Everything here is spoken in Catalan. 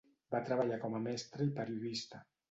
Va treballar com a mestre i periodista.